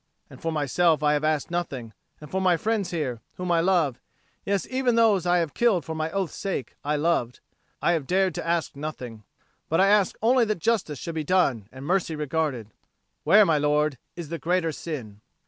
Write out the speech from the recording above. And for myself I have asked nothing; and for my friends here, whom I love yes, even those I have killed for my oath's sake, I loved I have dared to ask nothing. But I asked only that justice should be done and mercy regarded. Where, my lord, is the greater sin?"